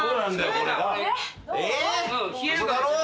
これ。